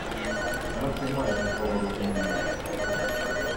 В нас немає такого розуміння.